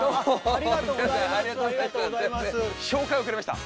ありがとうございます。